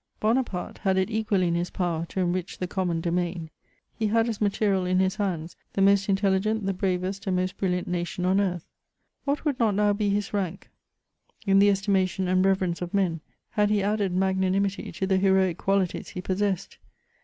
Bonaparte had it equally in his power to enrich the common domain ; he had as matenal in his hands the most intelligent, the bravest, and most brilliant nation on earth. What would not now be his rank in the estimation and reverence of men, had he added magnanimity to the heroic qualities he possessed